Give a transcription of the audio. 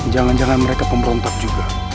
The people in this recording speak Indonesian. jangan jangan mereka pemberontak juga